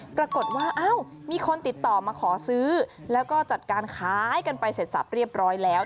ปรากฏว่ามีคนติดต่อมาขอซื้อแล้วก็จัดการขายกันไปเสร็จสับเรียบร้อยแล้ว